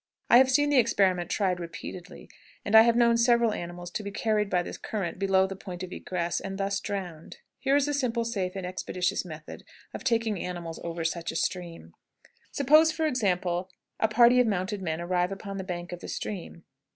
I have seen the experiment tried repeatedly, and have known several animals to be carried by the current below the point of egress, and thus drowned. Here is a simple, safe, and expeditious method of taking animals over such a stream. Suppose, for example, a party of mounted men arrive upon the bank of the stream.